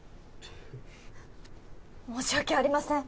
申し訳ありません